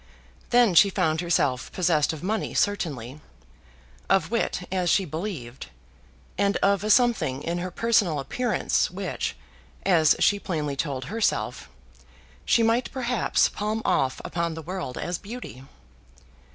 Then she found herself possessed of money, certainly; of wit, as she believed; and of a something in her personal appearance which, as she plainly told herself, she might perhaps palm off upon the world as beauty.